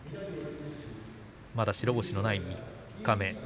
まだ白星のない三日目です。